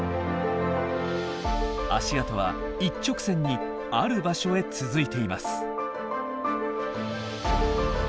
足跡は一直線にある場所へ続いています。